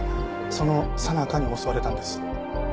そのさなかに襲われたんです。